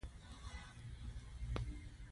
په سترګو مې تیاره راخوره شوه.